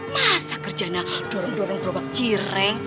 masa kerjana dorong dorong berobat cireng